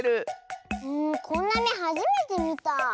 こんなめはじめてみた。